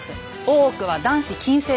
大奥は男子禁制。